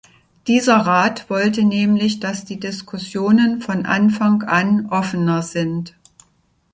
Dieser Rat wollte nämlich, dass die Diskussionen von Anfang an offener sind.